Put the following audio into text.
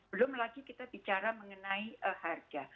belum lagi kita bicara mengenai harga